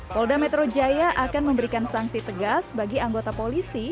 polda metro jaya akan memberikan sanksi tegas bagi anggota polisi